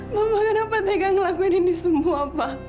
mama kenapa tega ngelakuin ini semua pak